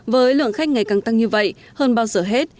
với lượng khách ngày càng tăng như vậy hơn bao giờ hết